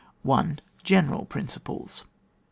1.— GENERAL PRINCIPLES. 1.